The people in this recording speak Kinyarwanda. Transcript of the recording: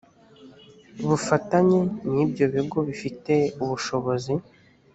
bufatanye n ibyo bigo bifite ubushobozi